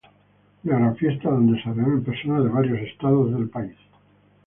Una gran fiesta, donde se reúnen personas de varios estados del país.